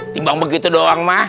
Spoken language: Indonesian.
timbang begitu doang mah